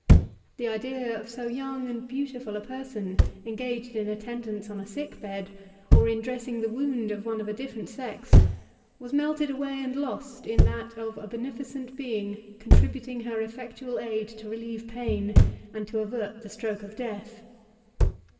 The idea of so young and beautiful a person engaged in attendance on a sick bed, or in dressing the wound of one of a different sex, was melted away and lost in that of a beneficent being contributing her effectual aid to relieve pain, and to avert the stroke of death.